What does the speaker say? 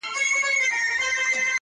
پر لکړه رېږدېدلی!